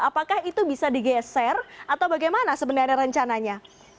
apakah itu bisa digeser atau bagaimana sebenarnya rencananya